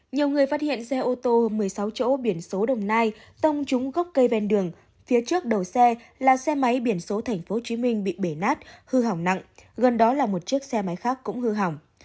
nhiều người phát hiện xe ô tô một mươi sáu chỗ biển số đồng nai tông trúng gốc cây ven đường phía trước đầu xe là xe máy biển số tp hcm bị bể nát hư hỏng nặng gần đó là một chiếc xe máy khác cũng hư hỏng